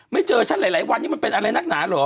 ไม่เจอฉันหลายวันนี้มันเป็นอะไรนักหนาเหรอ